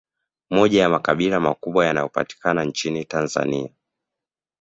Moja ya makabila makubwa yanayo patikana nchini Tanzania